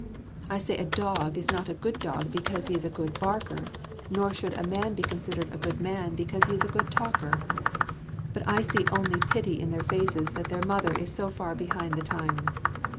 I say a dog is not a good dog because he is a good barker, nor should a man be considered a good man because he is a good talker; but I see only pity in their faces that their mother is so far behind the times.